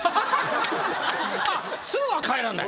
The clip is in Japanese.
すぐは帰らない。